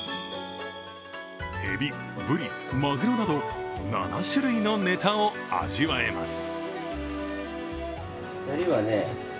エビ、ブリ、マグロなど、７種類のネタを味わえます。